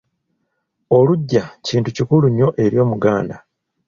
Oluggya kintu kikulu nnyo eri omuganda.